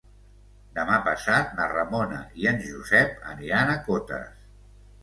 Demà passat na Ramona i en Josep aniran a Cotes.